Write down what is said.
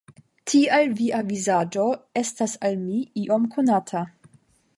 Tial via vizaĝo estas al mi iom konata.